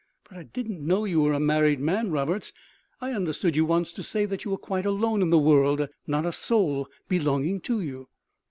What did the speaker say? "But I didn't know you were a married man, Roberts; I understood you once to say that you were quite alone in the world not a soul belonging to you."